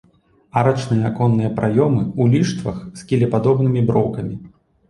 Арачныя аконныя праёмы ў ліштвах з кілепадобнымі броўкамі.